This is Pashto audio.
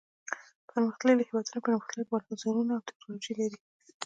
پرمختللي هېوادونه پرمختللي بازارونه او تکنالوجي لري.